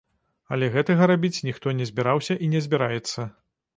Але гэтага рабіць ніхто не збіраўся і не збіраецца.